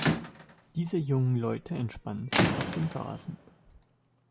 Diese jungen Leute entspannen sich auf dem Rasen.